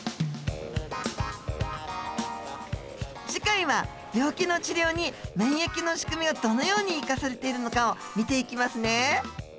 次回は病気の治療に免疫のしくみがどのように生かされているのかを見ていきますね。